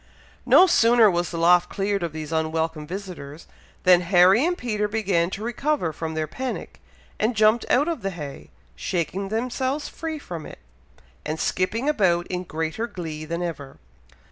No sooner was the loft cleared of these unwelcome visitors, than Harry and Peter began to recover from their panic, and jumped out of the hay, shaking themselves free from it, and skipping about in greater glee than ever.